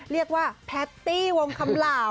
เรียกว่าแพตตี้วงคำเหล่า